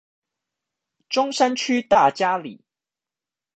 中山區大佳里